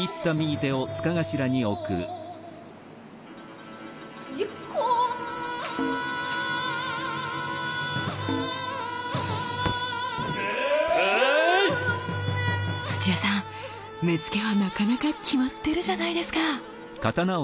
目付はなかなか決まってるじゃないですか。